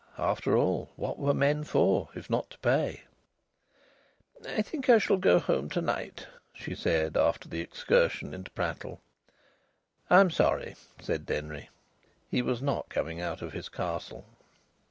After all, what were men for, if not to pay? "I think I shall go home to night," she said, after the excursion into prattle. "I'm sorry," said Denry. He was not coming out of his castle.